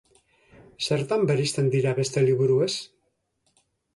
Zertan bereizten dira beste liburuez?